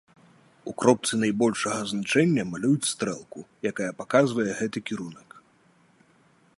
У кропцы найбольшага значэння малююць стрэлку, якая паказвае гэты кірунак.